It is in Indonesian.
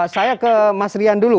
saya ke mas rian dulu